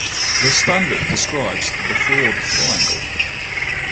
The standard describes the fraud triangle.